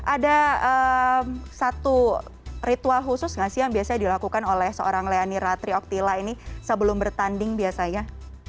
ada satu ritual khusus gak sih yang biasanya dilakukan oleh seorang leonira trioktila ini sebelum bertanding biasanya